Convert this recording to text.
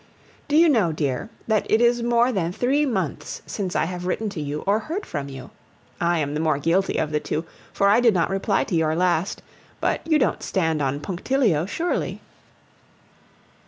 Do you know, dear, that it is more than three months since I have written to you or heard from you? I am the more guilty of the two, for I did not reply to your last, but you don't stand on punctilio surely?